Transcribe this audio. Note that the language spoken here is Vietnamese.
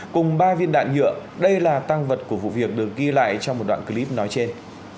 cùng ba viên đạn nhựa đây là tăng vật của vụ việc được ghi lại trong một đoạn clip nói trên